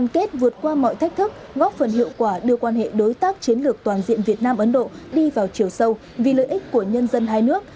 kỹ lược toàn diện việt nam ấn độ đi vào chiều sâu vì lợi ích của nhân dân hai nước